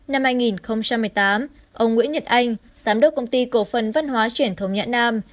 năm hai nghìn một mươi tám ông nguyễn nhật anh giám đốc công ty cổ phần văn hóa truyền thống nhã nam